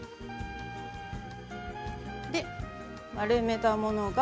丸めたものが。